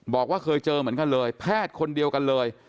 บอกว่าเคยเจอเหมือนกันเลยแพทย์คนเดียวกันเลย